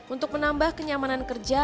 untuk menambah kenyamanan kerja